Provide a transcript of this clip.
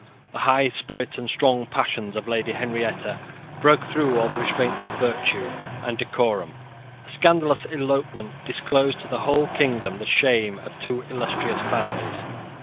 The high spirit and strong passions of Lady Henrietta broke through all restraints of virtue and decorum. A scandalous elopement disclosed to the whole kingdom the shame of two illustrious families.